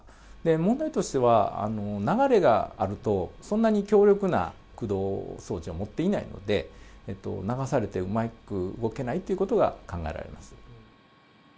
問題としては、流れがあると、そんなに強力な駆動装置を持っていないので、流されてうまく動けないっていうことが考えられます。